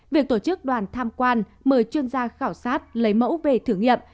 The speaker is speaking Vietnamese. việc tổ chức đoàn tham quan mời chuyên gia khảo sát lấy mẫu về thử nghiệm